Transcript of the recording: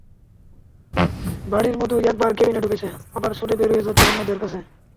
বাড়ির মতোই একবার কেবিনে ঢুকছে, আবার ছুটে বের হয়ে যাচ্ছে অন্যদের কাছে।